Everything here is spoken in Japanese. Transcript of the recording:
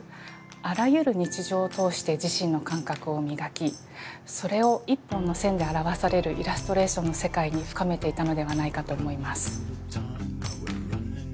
あらゆる日常を通して自身の感覚を磨きそれを一本の線で表されるイラストレーションの世界に深めていたのではないかと思います。